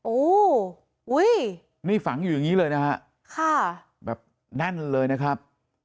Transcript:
อุ้ยนี่ฝังอยู่อย่างนี้เลยนะฮะค่ะแบบแน่นเลยนะครับ